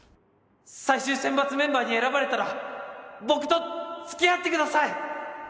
最終選抜メンバーに選ばれたら僕と付き合ってください！